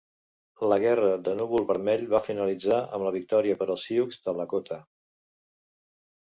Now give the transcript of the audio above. La guerra de núvol vermell va finalitzar amb la victòria per als Sioux de Lakota.